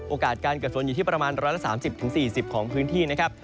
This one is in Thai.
โอกาสการเกิดฝนอยู่ที่ประมาณ๑๓๐๔๐ของพื้นที่นะครับ